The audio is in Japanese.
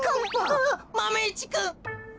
あっマメ１くん。